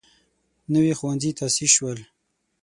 نوي ښوونځي تاسیس شول.